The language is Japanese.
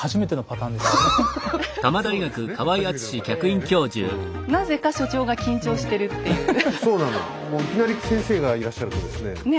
もういきなり先生がいらっしゃるとですね